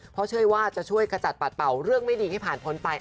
เพราะเชื่อว่าจะช่วยขจัดปัดเป่าเรื่องไม่ดีให้ผ่านพ้นไป